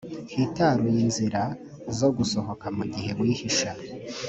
hitaruye inzira zo gusohoka mu gihe wihisha